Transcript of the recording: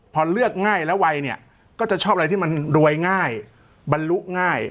พอเลือกง่ายแล้วไวเนี่ยก็จะชอบอะไรที่มันรวยง่ายบรรลุง่าย